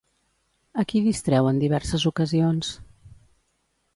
A qui distreu en diverses ocasions?